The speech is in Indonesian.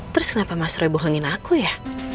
terus kenapa mas roy bohongin aku ya